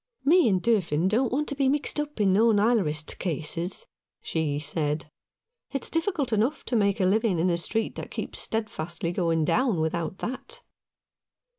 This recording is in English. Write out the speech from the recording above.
"Me and Durfin don't want to be mixed up in no Nilerist cases," she said. " It's difficult enough to make a living in a street that keeps steadfastly going down, without that."